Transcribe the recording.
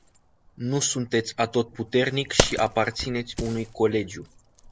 Nu sunteți atotputernic și aparțineți unui colegiu.